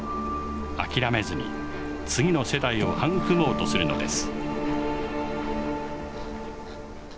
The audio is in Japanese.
諦めずに次の世代を育もうとするのです。